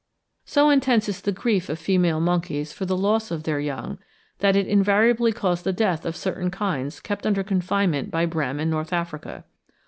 So intense is the grief of female monkeys for the loss of their young, that it invariably caused the death of certain kinds kept under confinement by Brehm in N. Africa.